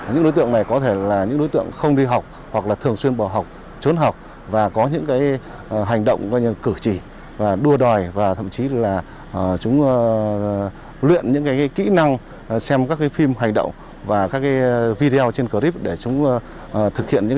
như tuyên quang hà nội thái nguyên